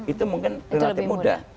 itu mungkin relatif mudah